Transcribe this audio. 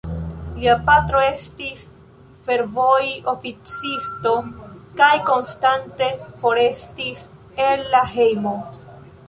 Lia patro estis fervoj-oficisto kaj konstante forestis el la hejmo.